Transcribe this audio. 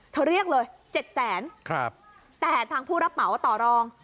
เธอเรียกเลยเจ็ดแสนครับแต่แห่งทางผู้รับเหมาต่อรอง